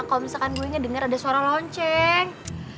kalo misalkan gue ngedenger ada suara lonceng